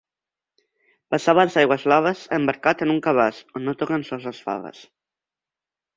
Passava les aigües blaves embarcat en un cabàs on no toquen sols les faves.